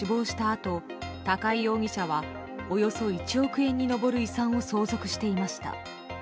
あと高井容疑者はおよそ１億円に上る遺産を相続していました。